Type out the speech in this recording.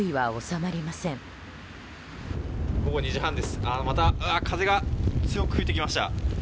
また風が強く吹いてきました。